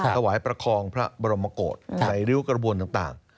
ประคองพระบรมโกศในริ้วกระบวนต่าง